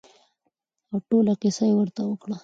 او ټوله کېسه يې ورته وکړه.